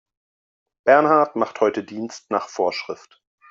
Bernhard macht heute Dienst nach Vorschrift.